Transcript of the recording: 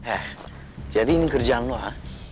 eh jadi ini kerjaan lo ha